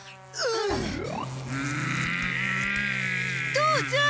父ちゃん！